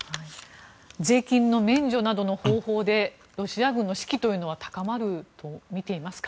税金の免除などの方法でロシア軍の士気というのは高まると見ていますか？